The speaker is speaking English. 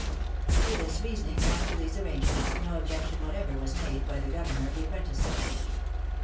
To this reasoning, and to these arrangements, no objection whatever was made by the governor of the apprentice house.